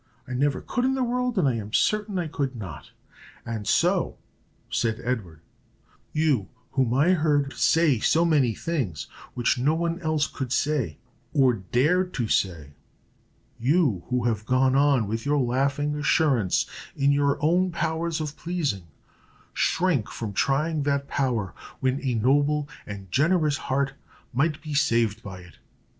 I never could in the world, I am certain I could not." "And so," said Edward, "you, whom I have heard say so many things which no one else could say, or dared to say you, who have gone on with your laughing assurance in your own powers of pleasing, shrink from trying that power when a noble and generous heart might be saved by it.